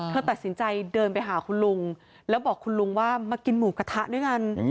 เธอตัดสินใจเดินไปหาคุณลุงแล้วบอกคุณลุงว่ามากินหมูกระทะด้วยกัน